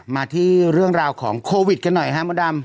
มาที่เรื่องราวของโควิดกันหน่อยครับมดดำ